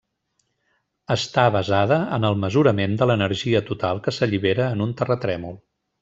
Està basada en el mesurament de l'energia total que s'allibera en un terratrèmol.